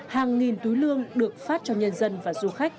hàng nghìn túi lương được phát cho nhân dân và du khách